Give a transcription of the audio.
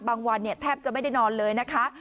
วันแทบจะไม่ได้นอนเลยนะคะ